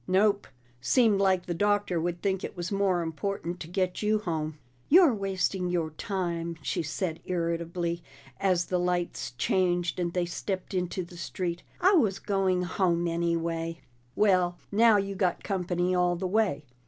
"Nope. Seemed like the Doctor would think it was more important to get you home." "You're wasting your time," she said irritably as the lights changed and they stepped into the street. "I was going home anyway." "Well, now you got company all the way."